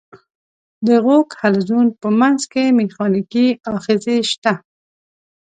د غوږ حلزون په منځ کې مېخانیکي آخذې شته.